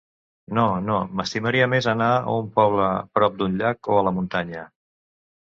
No, no, m'estimaria més anar a un poble prop d'un llac, o a la muntanya.